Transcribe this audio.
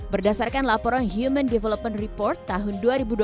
berdasarkan laporan human development report tahun dua ribu dua puluh